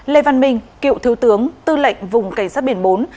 lê văn minh cựu thiếu tướng tư lệnh vùng cảnh sát biển bốn